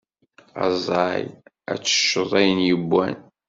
Aẓay, ad tteččeḍ ayen yewwan!